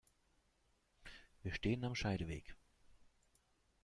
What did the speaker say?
Wir stehen am Scheideweg.